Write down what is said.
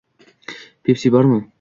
- Pepsi bormi?